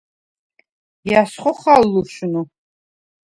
ჲა̈ს ხოხალ ლუშნუ?